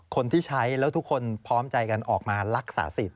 คนที่ใช้แล้วทุกคนพร้อมใจกันออกมารักษาสิทธ